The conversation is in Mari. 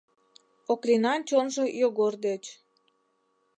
Оклинан чонжо Йогор деч.